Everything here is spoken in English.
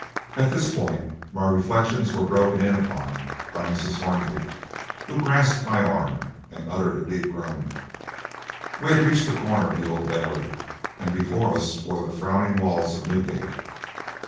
At this point, my reflections were broken in upon by Mrs. Hornby, who grasped my arm and uttered a deep groan. We had reached the corner of the Old Bailey, and before us were the frowning walls of Newgate.